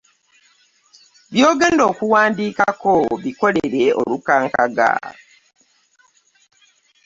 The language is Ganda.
By’ogenda okuwandiikako bikolere olukangaga.